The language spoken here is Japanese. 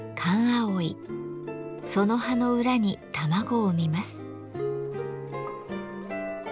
その葉の裏に卵を産みます。